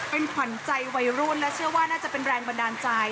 เป็นขวัญใจวัยรุ่นและเชื่อว่าน่าจะเป็นแรงบันดาลใจ